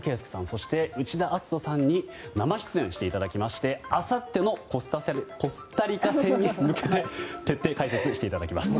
そして、内田篤人さんに生出演していただきましてあさってのコスタリカ戦に向けて徹底解説していただきます。